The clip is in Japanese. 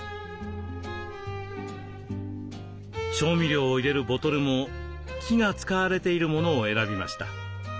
調味料を入れるボトルも木が使われているものを選びました。